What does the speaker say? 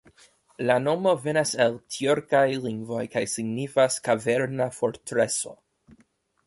La nomo venas el tjurkaj lingvoj kaj signifas "kaverna fortreso".